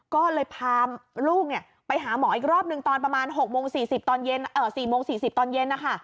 ก็เลยพาลูกไปหาหมออีกรอบนึงตอนประมาณ๔โมง๔๐ตอนเย็น